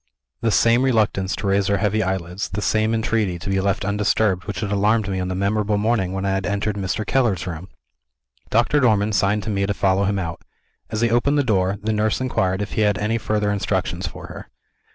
The same reluctance to raise her heavy eyelids, the same entreaty to be left undisturbed, which had alarmed me on the memorable morning when I had entered Mr. Keller's room! Doctor Dormann signed to me to follow him out. As he opened the door, the nurse inquired if he had any further instructions for her.